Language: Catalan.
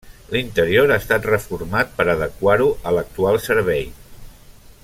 L'interior ha estat reformat per adequar-ho a l'actual servei.